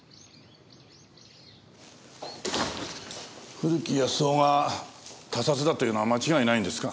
古木保男が他殺だというのは間違いないんですか？